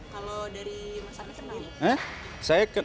kalau dari mas anas kenal